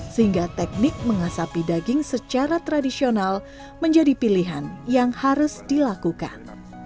sehingga teknik mengasapi daging secara tradisional menjadi pilihan yang harus dilakukan